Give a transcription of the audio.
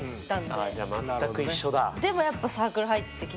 あじゃあ全く一緒だ。